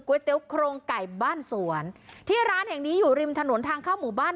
เตี๋ยวโครงไก่บ้านสวนที่ร้านแห่งนี้อยู่ริมถนนทางเข้าหมู่บ้าน